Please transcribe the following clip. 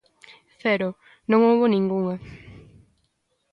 Cero, non houbo ningunha.